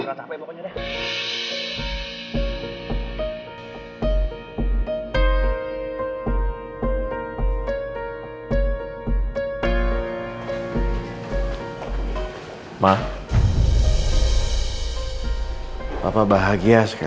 gak ada hape pokoknya deh